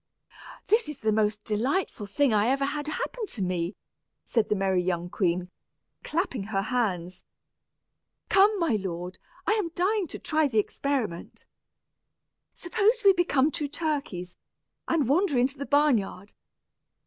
"This is the most delightful thing I ever had happen to me," said the merry young queen, clapping her hands. "Come, my lord, I am dying to try the experiment. Suppose we become two turkeys, and wander into the barn yard.